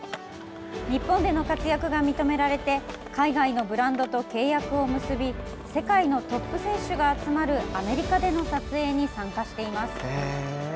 日本での活躍が認められて海外のブランドと契約を結び世界のトップ選手が集まるアメリカでの撮影に参加しています。